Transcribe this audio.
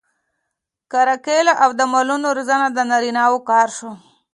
کرکیله او د مالونو روزنه د نارینه وو کار شو.